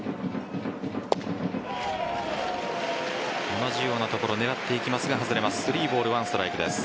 同じようなところを狙っていきますが外れます。